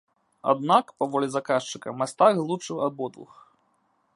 Аднак, па волі заказчыка, мастак злучыў абодвух.